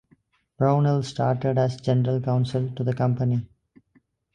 Brownell started as general counsel to the company.